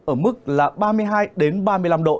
ở mức là ba mươi hai ba mươi năm độ